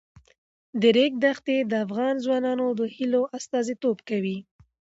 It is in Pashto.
د ریګ دښتې د افغان ځوانانو د هیلو استازیتوب کوي.